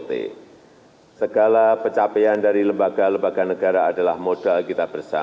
penyelenggaraan yang berbeda penyelenggaraan yang berbeda